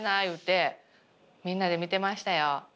言うてみんなで見てましたよ。